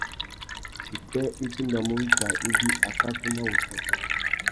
Upwê i timbamú wikā ibi, akakú na wuchiô.